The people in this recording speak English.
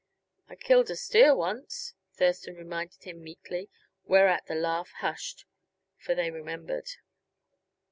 "I killed a steer once," Thurston reminded him meekly, whereat the laugh hushed; for they remembered.